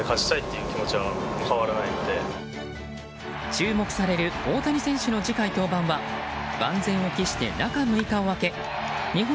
注目される大谷選手の次回登板は万全を期して中６日を空け日本